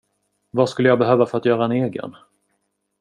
Vad skulle jag behöva för att göra en egen?